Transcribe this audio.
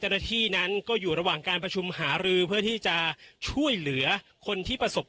เจ้าหน้าที่นั้นก็อยู่ระหว่างการประชุมหารือเพื่อที่จะช่วยเหลือคนที่ประสบ